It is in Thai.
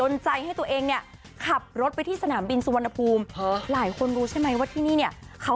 เมื่อก่อนเรียกว่าอะไรนะ